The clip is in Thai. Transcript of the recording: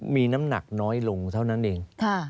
มีน้ำหนักน้อยลงเท่านั้นเอง